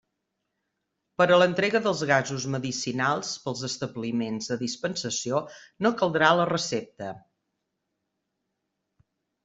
Per a l'entrega dels gasos medicinals pels establiments de dispensació no caldrà la recepta.